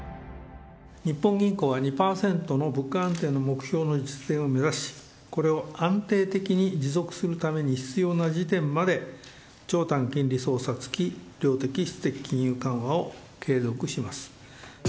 日本銀行は２％の物価安定の目標の実現を目指し、これを安定的に持続するために、必要な時点まで、長短金利操作付き量的・質的金融緩和を継続します。